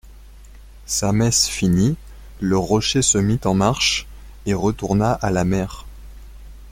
Sa messe finie, le rocher se mit en marche et retourna à la mer.